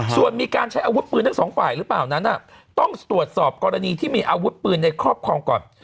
ส่วนมีการใช้อาวุธปืนทั้งสองฝ่ายหรือเปล่านั้นต้องตรวจสอบกรณีที่มีอาวุธปืนในครอบครองก่อน